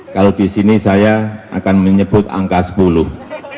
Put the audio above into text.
kalau di sini saya akan menyebut angka sepuluh